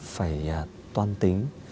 phải toan tìm